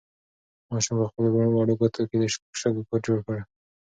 ماشوم په خپلو وړوکو ګوتو د شګو کور جوړ کړ.